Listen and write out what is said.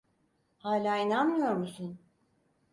Hâlâ inanmıyor musun?